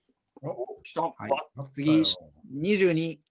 次、２２。